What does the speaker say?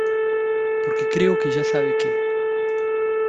porque creo que ya sabe que